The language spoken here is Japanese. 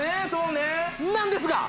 なんですが？